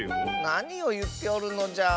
なにをいっておるのじゃ。